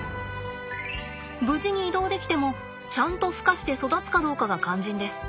無事に移動できてもちゃんと孵化して育つかどうかが肝心です。